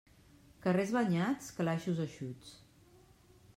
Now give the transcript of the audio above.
Carrers banyats, calaixos eixuts.